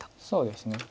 そうですね。